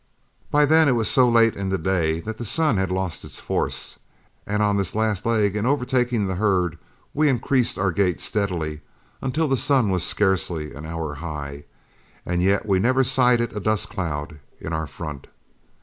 By then it was so late in the day that the sun had lost its force, and on this last leg in overtaking the herd we increased our gait steadily until the sun was scarcely an hour high, and yet we never sighted a dust cloud in our front.